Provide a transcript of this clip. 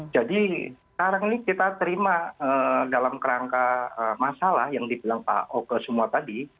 jadi sekarang ini kita terima dalam rangka masalah yang dibilang pak oke semua tadi